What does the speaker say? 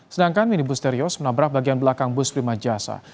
sedangkan minibusterius menabrak bagian belakang bus prima jasa